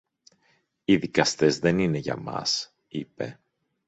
Οι δικαστές δεν είναι για μας, είπε.